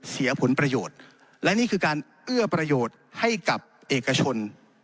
เสียผลประโยชน์และนี่คือการเอื้อประโยชน์ให้กับเอกชน